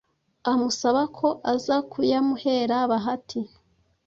amusaba ko aza kuyamuhera bahati